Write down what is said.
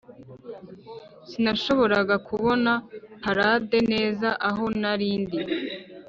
sinashoboraga kubona parade neza aho nari ndi.